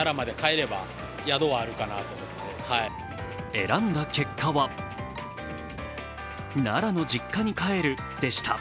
選んだ結果は奈良の実家に帰るでした。